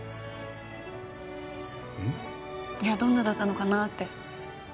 いやどんなだったのかなって。